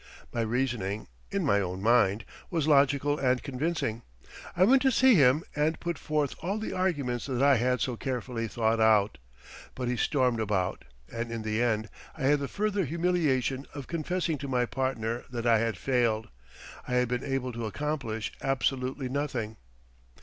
My reasoning (in my own mind) was logical and convincing. I went to see him, and put forth all the arguments that I had so carefully thought out. But he stormed about, and in the end I had the further humiliation of confessing to my partner that I had failed. I had been able to accomplish absolutely nothing.